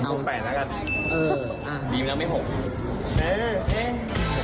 เออดีนะไม่ห่วง